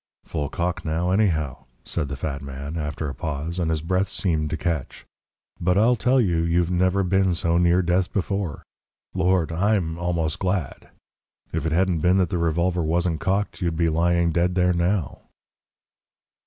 "Full cock now, anyhow," said the fat man, after a pause, and his breath seemed to catch. "But I'll tell you, you've never been so near death before. Lord! I'M almost glad. If it hadn't been that the revolver wasn't cocked you'd be lying dead there now."